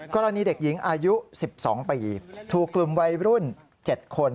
กรณีเด็กหญิงอายุ๑๒ปีถูกกลุ่มวัยรุ่น๗คน